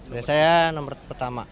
biasanya nomor pertama